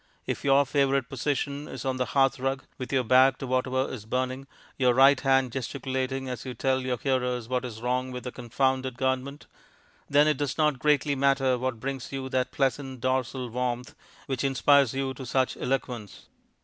If your favourite position is on the hearth rug with your back to whatever is burning, your right hand gesticulating as you tell your hearers what is wrong with the confounded Government, then it does not greatly matter what brings you that pleasant dorsal warmth which inspires you to such eloquence.